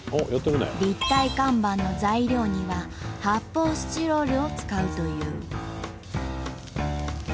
立体看板の材料には発泡スチロールを使うという。